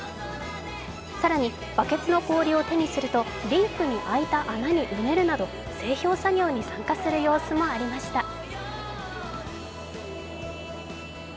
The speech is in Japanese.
更にバケツの氷を手にするとリンクに開いた穴に埋めるなど整氷作業に参加する様子もありました。